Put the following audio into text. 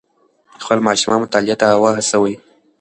خپل ماشومان مطالعې ته وهڅوئ.